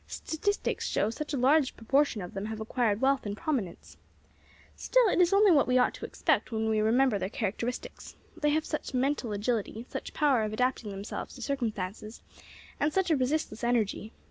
Statistics show such a large proportion of them have acquired wealth and prominence. Still, it is only what we ought to expect, when we remember their characteristics. They have such 'mental agility,' such power of adapting themselves to circumstances, and such a resistless energy.